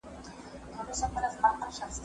له ښاره ووزه، له نرخه ئې نه.